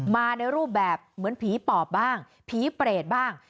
มาในรูปแบบเหมือนผีปอบบ้างผีเปรตบ้าง